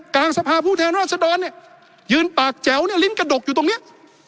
กลางสภาพผู้แทนราชดรยืนปากแจ๋วลิ้นกระดกอยู่ตรงเนี่ย